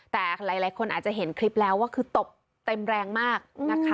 แต่หลายคนอาจจะเห็นคลิปแล้วว่าคือตบเต็มแรงมากนะคะ